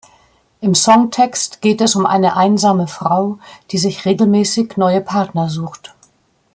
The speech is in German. Im Songtext geht es um eine einsame Frau, die sich regelmäßig neue Partner sucht.